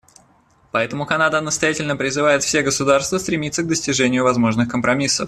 Поэтому Канада настоятельно призывает все государства стремиться к достижению возможных компромиссов.